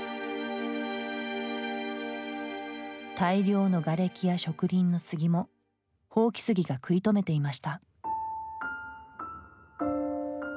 大量のがれきや植林の杉も箒杉が食い止めていました。